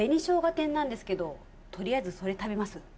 天なんですけどとりあえずそれ食べます？